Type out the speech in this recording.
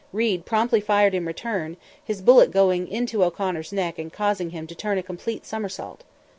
Reid promptly fired in return, his bullet going into O'Connor's neck and causing him to turn a complete somersault.